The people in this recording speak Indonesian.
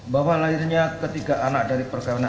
bahwa lahirnya ketiga anak dari personel